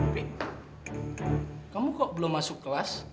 tapi kamu kok belum masuk kelas